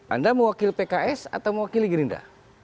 anda mewakili pks atau mewakili gerindra